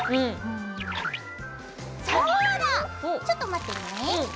ちょっと待ってねえ。